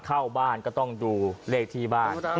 เข้าบ้านก็ต้องดูเลขที่บ้าน